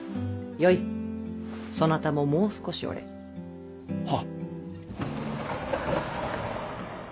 よいそなたももう少しおれ。は。